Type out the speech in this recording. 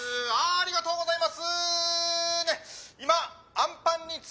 ありがとうございます。